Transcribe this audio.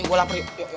gue lapar yuk